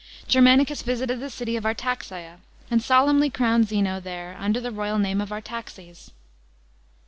Germanicus visited the city of Artaxa'a, and solemnly crowned Zeno there under the royal name of Artaxes.